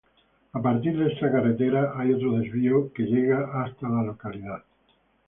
A partir de esta carretera hay otro desvío que llega hasta la localidad.